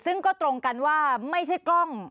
ซึ่งก็ตรงกันว่าไม่ใช่กล้อง